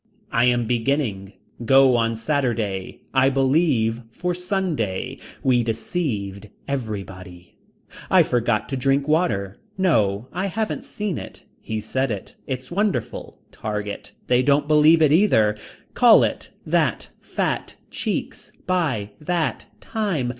I am beginning. Go on Saturday. I believe for Sunday. We deceived everbody. I forgot to drink water. No I haven't seen it. He said it. It's wonderful. Target. They don't believe it either. Call it. That. Fat. Cheeks. By. That. Time.